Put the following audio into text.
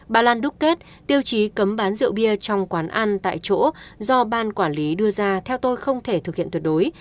bà lan đúc kết tiêu chí cấm bán rượu bia trong quán ăn tại chỗ do ban quản lý đưa ra theo tôi không thể thực hiện tuyệt đối